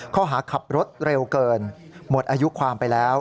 ข้อหาขับรถเร็วเกินหมดอายุความไปแล้ว